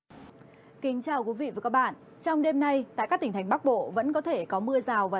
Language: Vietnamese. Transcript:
xin kính chào quý vị và các bạn trong đêm nay tại các tỉnh thành bắc bộ vẫn có thể có mưa rào và